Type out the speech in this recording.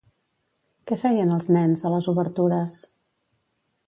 Què feien els nens, a les obertures?